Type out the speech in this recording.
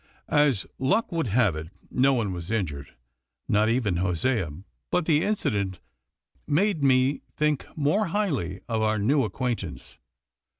As luck would have it, no one was injured, not even Hosea, but the incident made me think more highly of our new acquaintance.